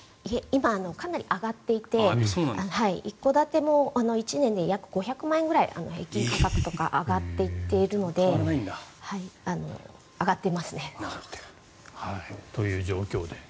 今かなり上がっていて一戸建ても１年で５００万円ぐらい平均価格が上がっていっているのでという状況です。